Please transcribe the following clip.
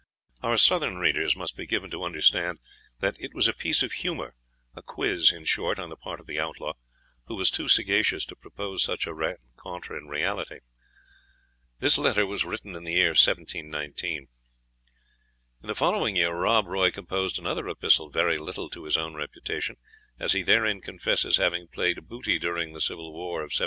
* Appendix, No. III. Our Southern readers must be given to understand that it was a piece of humour, a quiz, in short, on the part of the Outlaw, who was too sagacious to propose such a rencontre in reality. This letter was written in the year 1719. In the following year Rob Roy composed another epistle, very little to his own reputation, as he therein confesses having played booty during the civil war of 1715.